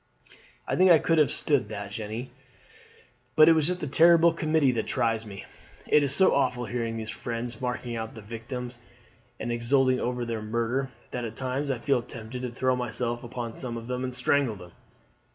"I think I could have stood that, Jeanne; but it is that terrible committee that tries me. It is so awful hearing these fiends marking out their victims and exulting over their murder, that at times I feel tempted to throw myself upon some of them and strangle them."